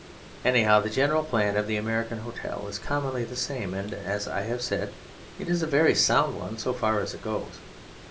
Anyhow the general plan of the American hotel is commonly the same, and, as I have said, it is a very sound one so far as it goes.